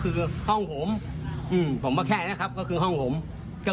นี่ค่ะไม่กลัวความผิดไม่กลัวถูกดำเนินคดีด้วยคุณผู้ชมค่ะ